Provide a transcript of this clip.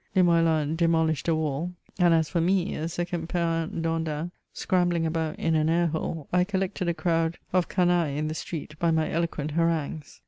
Limoelan demo lished a wail, and as for me, a second Perrin Dandin, scrambling about in an air hole, I collected a crowd of canaUh in the street by my doquent harangues.